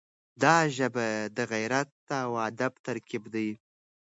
دا ژبه د غیرت او ادب ترکیب دی.